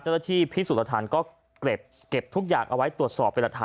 เจ้าหน้าที่พิสูจน์อรธันก็เก็บทุกอย่างเอาไว้ตรวจสอบไประถา